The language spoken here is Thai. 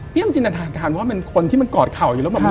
เปรี้ยงจินดันทานว่ามันคนที่มันกอดเข่าอยู่แล้ว